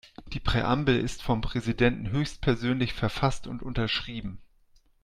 Die Präambel ist vom Präsidenten höchstpersönlich verfasst und unterschrieben.